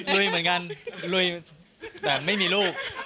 ลุยเหมือนกันลุยแต่ไม่มีลูก